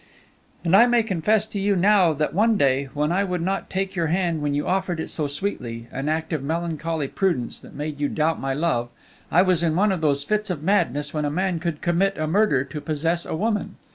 "And I may confess to you now that one day, when I would not take your hand when you offered it so sweetly an act of melancholy prudence that made you doubt my love I was in one of those fits of madness when a man could commit a murder to possess a woman.